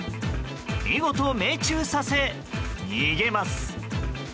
見事命中させ、逃げます。